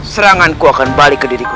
seranganku akan balik ke diriku